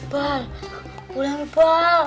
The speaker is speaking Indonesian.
bal boleh ambil bal